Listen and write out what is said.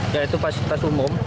yaitu fasilitas umum